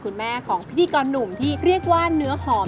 คุณแม่ของพิธีกรหนุ่มที่เรียกว่าเนื้อหอม